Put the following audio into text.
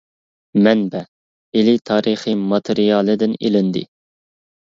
مەنبە : ئىلى تارىخى ماتېرىيالىدىن ئېلىندى.